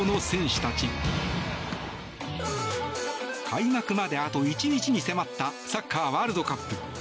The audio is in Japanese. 開幕まであと１日に迫ったサッカーワールドカップ。